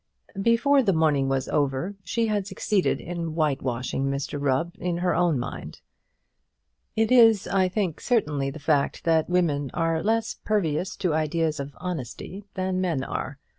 Before the morning was over she had succeeded in white washing Mr Rubb in her own mind. It is, I think, certainly the fact that women are less pervious to ideas of honesty than men are.